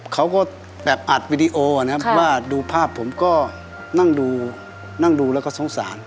เขาก็แบบอัดวิดีโอนะครับว่าดูภาพผมก็นั่งดูนั่งดูแล้วก็สงสาร